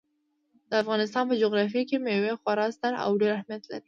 د افغانستان په جغرافیه کې مېوې خورا ستر او ډېر اهمیت لري.